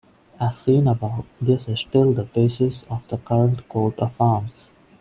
As seen above, this is still the basis of the current coat of arms.